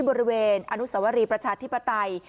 บริเวณอนุสวรีประชาธิปไตย